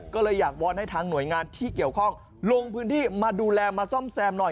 ก็เลยอยากวอนให้ทางหน่วยงานที่เกี่ยวข้องลงพื้นที่มาดูแลมาซ่อมแซมหน่อย